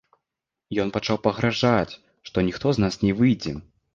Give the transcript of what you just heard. Ён пачаў пагражаць, што ніхто з нас не выйдзе.